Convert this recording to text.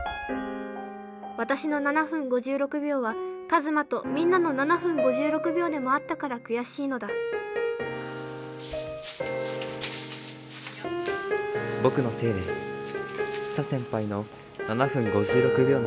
私の７分５６秒はカズマとみんなの７分５６秒でもあったから悔しいのだ僕のせいでチサ先輩の７分５６秒の夢は幻となった。